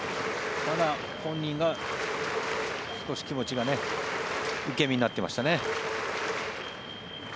本人が少し気持ちが受け身になってましたね。